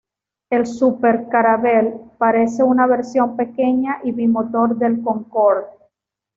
El Super-Caravelle parece una versión pequeña y bimotor del Concorde.